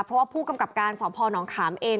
เพราะว่าผู้กำกับการสพนขามเอง